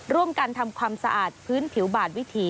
ร่วมกันทำความสะอาดพื้นผิวบาดวิถี